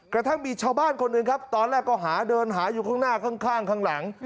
กระทั่งมีชาวบ้านคนหนึ่งครับตอนแรกก็หาเดินหาอยู่ข้างหน้าข้างข้างหลัง